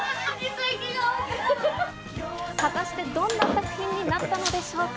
果たしてどんな作品になったのでしょうか。